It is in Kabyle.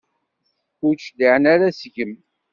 Ur d-cliɛen ara seg-m.